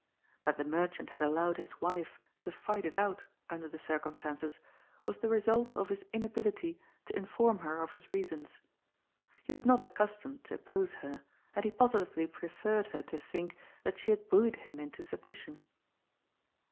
That the merchant had allowed his wife to fight it out) under the circumstances, was the result of his in ability to inform her of his reasons. He was not accus tomed to oppose her, and he positively preferred her to think that she had bullied him into submission.